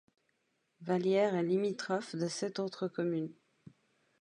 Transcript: Vallière est limitrophe de sept autres communes.